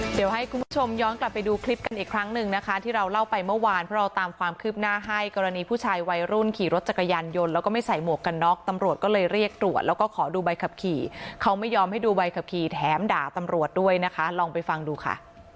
เดี๋ยวให้คุณผู้ชมย้อนกลับไปดูคลิปกันอีกครั้งหนึ่งนะคะที่เราเล่าไปเมื่อวานเพราะเราตามความคืบหน้าให้กรณีผู้ชายวัยรุ่นขี่รถจักรยานยนต์แล้วก็ไม่ใส่หมวกกันน็อกตำรวจก็เลยเรียกตรวจแล้วก็ขอดูใบขับขี่เขาไม่ยอมให้ดูใบขับขี่แถมด่าตำรวจด้วยนะคะลองไปฟังดูค่ะ